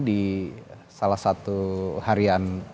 di salah satu harian